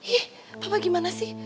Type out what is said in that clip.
ih papa gimana sih